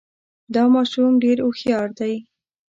دا ماشوم ډېر هوښیار دی